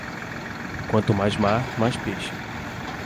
Quanto mais mar, mais peixe.